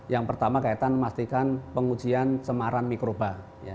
yang pertama kaitan memastikan pengujian cemaran mikroba